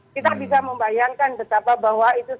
kita bisa membayangkan betapa bahwa itu